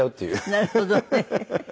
なるほどね。